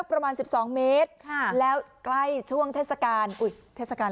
ใต้ทั่วโชคทีนี้แต่ผู้ถูกทั้งประเทศกาล